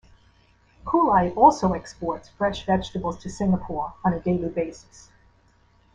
Kulai also exports fresh vegetables to Singapore on a daily basis.